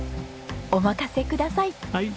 お任せください。